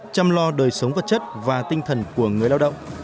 chăm lo đời sống vật chất và tinh thần của người lao động